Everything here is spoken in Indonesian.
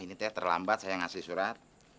ini terlambat saya ngasih surat